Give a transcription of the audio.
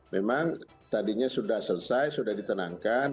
memang tadinya sudah selesai sudah ditenangkan